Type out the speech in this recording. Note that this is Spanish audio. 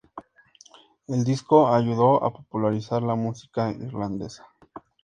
El disco ayudó a popularizar la música irlandesa.